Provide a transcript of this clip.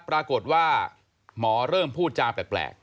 ปรากฏว่าหมอเริ่มพูดจาแปลก